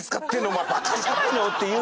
お前バカじゃないの？っていう。